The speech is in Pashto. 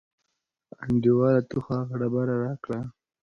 انډیواله ته خو هغه ډبره راکړه.